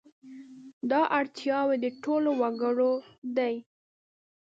دا اړتیاوې د ټولو وګړو دي.